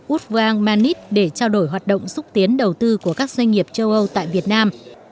utvang manit để trao đổi hoạt động xúc tiến đầu tư của các doanh nghiệp châu âu tại việt nam